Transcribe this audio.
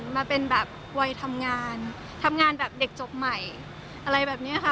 มาเป็นแบบวัยทำงานทำงานแบบเด็กจบใหม่อะไรแบบนี้ค่ะ